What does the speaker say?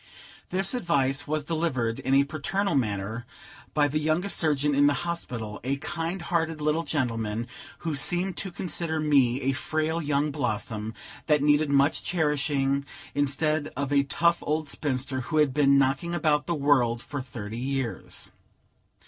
This advice was delivered, in a paternal manner, by the youngest surgeon in the hospital, a kind hearted little gentleman, who seemed to consider me a frail young blossom, that needed much cherishing, instead of a tough old spinster, who had been knocking about the world for thirty years.